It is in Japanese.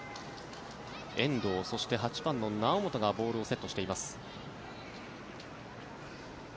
遠藤、そして８番の猶本がボールをセットしています。